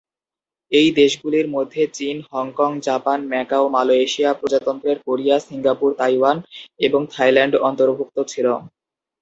এই দেশগুলির মধ্যে China, Hong Kong, Japan, Macau, Malaysia, প্রজাতন্ত্রের কোরিয়া, সিঙ্গাপুর, তাইওয়ান এবং থাইল্যান্ড অন্তর্ভুক্ত ছিল।